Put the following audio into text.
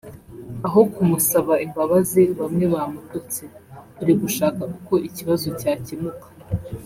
Aho kumusaba imbabazi bamwe bamututse […] turi gushaka uko ikibazo cyakemuka